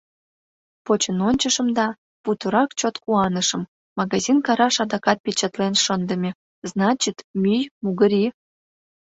Почын ончышым да, путырак чот куанышым: магазин караш адакат печатлен шындыме, значит, мӱй — мугыри.